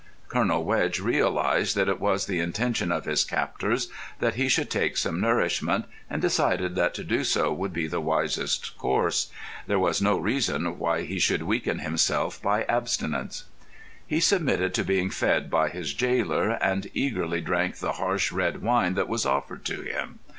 Colonel Wedge realised that it was the intention of his captors that he should take some nourishment, and decided that to do so would be the wisest course. There was no reason why he should weaken himself by abstinence. He submitted to being fed by his jailer, and eagerly drank the harsh red wine that was offered to him.